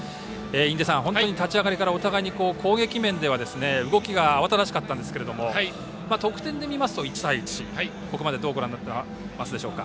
印出さん、立ち上がりからお互い攻撃面では動きが慌しかったんですが得点で見ますと１対１とここまでどうご覧になっていますか。